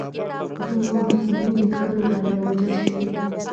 ځینې محصلین د خپلو بریاوو جشن نیسي.